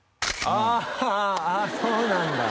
ああそうなんだ